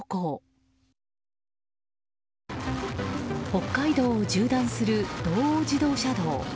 北海道を縦断する道央自動車道。